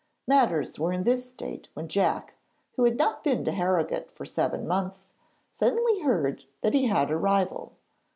Matters were in this state when Jack, who had not been to Harrogate for seven months, suddenly heard that he had a rival.